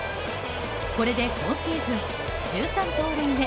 これで今シーズン１３盗塁目。